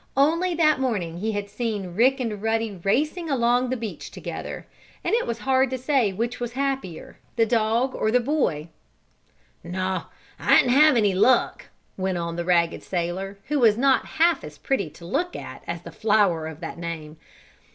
Only that morning he had seen Rick and Ruddy racing along the beach together, and it was hard to say which was the happier the dog or the boy. "No, I didn't have any luck," went on the ragged sailor, who was not half as pretty to look at as the flower of that name.